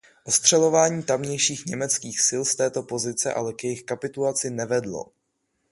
Ostřelování tamějších německých sil z této pozice ale k jejich kapitulaci nevedlo.